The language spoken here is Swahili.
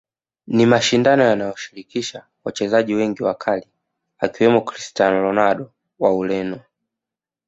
Ni mashindano yanayoshirikisha wachezaji wengi wakali akiwemo Christiano Ronaldo wa Ureno